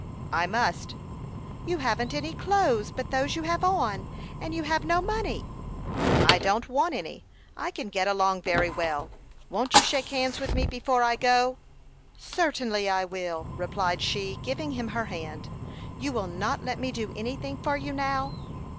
"I must." "You haven't any clothes but those you have on, and you have no money." "I don't want any. I can get along very well. Won't you shake hands with me before I go?" "Certainly, I will," replied she, giving him her hand. "You will not let me do anything for you now?"